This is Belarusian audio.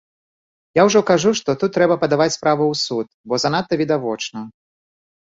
Я ўжо кажу, што тут трэба падаваць справу ў суд, бо занадта відавочна.